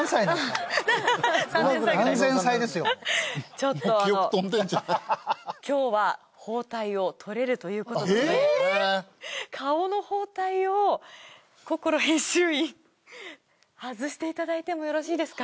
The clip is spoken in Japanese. ちょっと今日は包帯をとれるということなので顔の包帯を心編集員外していただいてもよろしいですか？